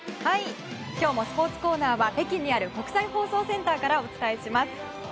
今日もスポーツコーナーは北京にある国際放送センターからお疲れ様でした。